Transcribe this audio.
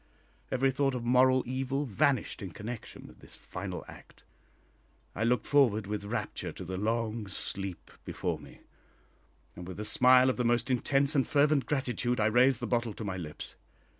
Every thought of moral evil vanished in connection with this final act. I looked forward with rapture to the long sleep before me, and with a smile of the most intense and fervent gratitude I raised the bottle to my lips.